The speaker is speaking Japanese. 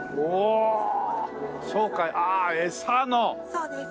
そうです。